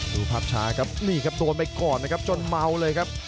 ดูภาพช้าครับนี่ครับโดนไปก่อนนะครับจนเมาเลยครับ